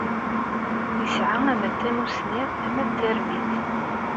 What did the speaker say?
Yesɛa ama d tamussni, ama d tarmit.